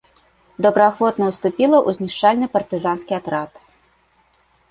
Добраахвотна уступіла ў знішчальны партызанскі атрад.